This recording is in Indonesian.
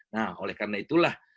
nah oleh karena itulah